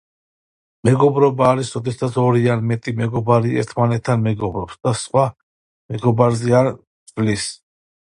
მეგობრობა არის როდესაც ორი ან მეტი მეგობარი ერთმანეთთან მეგობრობს და სხვა მეგობარზე არ ცვლის